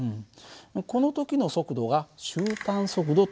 この時の速度が終端速度というんだよ。